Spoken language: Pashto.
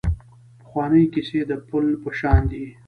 پخوانۍ کیسې د پل په شان دي .